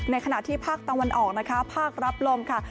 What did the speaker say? ขณะที่ภาคตะวันออกนะคะภาครับลมค่ะ